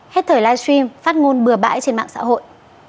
hết thời live stream phát ngôn bừa bãi trên mạng xã hội